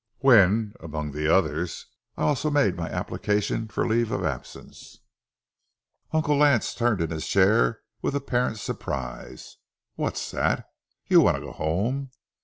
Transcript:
When, among the others, I also made my application for leave of absence, Uncle Lance turned in his chair with apparent surprise. "What's that? You want to go home?